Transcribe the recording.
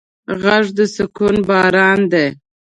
غږ د سکون باران دی